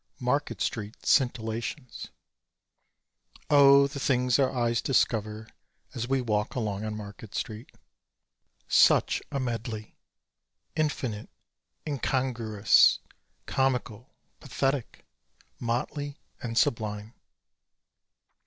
Market St. Scintillations Oh, the things our eyes discover as we walk along on Market street. Such a medley infinite, incongruous, comical, pathetic, motley and sublime.